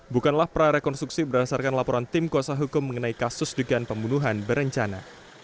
bukanlah prarekonstruksi berdasarkan laporan tim kuasa hukum mengenai kasus dugaan pembunuhan berencana